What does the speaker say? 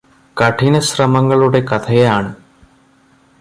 കഠിന ശ്രമങ്ങളുടെ കഥയാണ്